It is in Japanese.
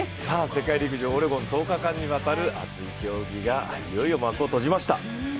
世界陸上オレゴン１０日間にわたる熱い競技が幕を閉じました。